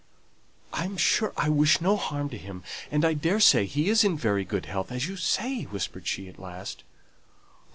"I am sure I wish no harm to him, and I daresay he is in very good health, as you say," whispered she, at last.